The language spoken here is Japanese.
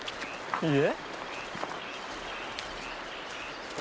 いいえ。